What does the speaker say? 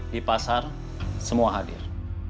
di pasar semua hadir